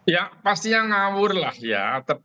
ya pastinya ngawur lah ya